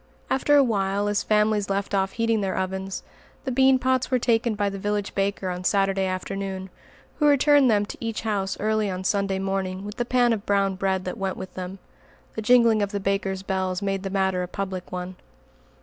After a while, as families left off heating their ovens, the bean pots were taken by the village baker on Saturday afternoon, who returned them to each house early on Sunday morning with the pan of brown bread that went with them. The jingling of the baker's bells made the matter a public one.